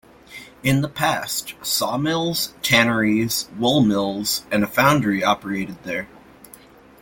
In the past, sawmills, tanneries, wool mills, and a foundry operated there.